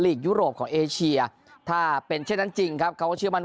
ยุโรปของเอเชียถ้าเป็นเช่นนั้นจริงครับเขาก็เชื่อมั่น